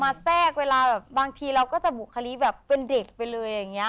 แทรกเวลาแบบบางทีเราก็จะบุคลิกแบบเป็นเด็กไปเลยอย่างนี้